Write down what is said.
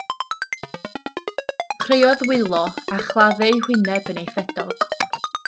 Dechreuodd wylo, a chladdu ei hwyneb yn ei ffedog.